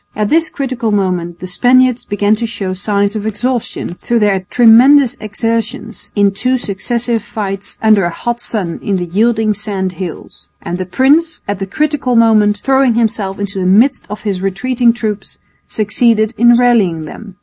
At this critical moment the Spaniards began to show signs of exhaustion through their tremendous exertions in two successive fights under a hot sun in the yielding sand hills; and the prince, at the critical moment, throwing himself into the midst of his retreating troops, succeeded in rallying them.